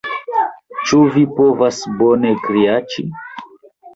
Ĉu vi povas bone kriaĉi?